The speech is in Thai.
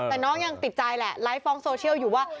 แต่น้องยังติดใจแหละไลฟ์ฟ้องโซเชียลอยู่ว่า